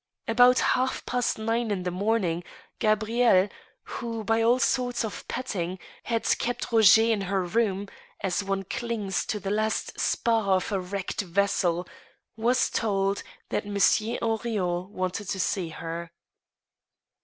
About half past nine in the morning, Gabrielle, who, by all sorts of petting, had kept Roger in her room, as one clings to the last spar of a wrecked vessel, was told that Monsieur Henrion wanted to see her.